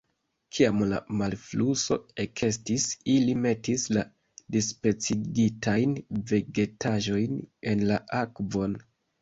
Kiam la malfluso ekestis, ili metis la dispecigitajn vegetaĵojn en la akvon.